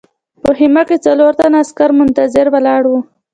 په خیمه کې څلور تنه عسکر منتظر ولاړ وو